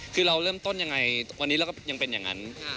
คือเราเริ่มต้นยังไงวันนี้เราก็ยังเป็นอย่างนั้น